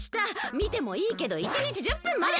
みてもいいけど１にち１０分まで！